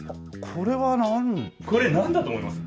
これなんだと思います？